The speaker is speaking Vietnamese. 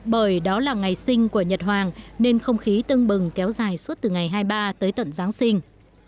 bởi đó là ngày sinh của nhật hoàng nên không khí tưng bừng kéo dài suốt từ ngày hai mươi ba tới tận giáng sinh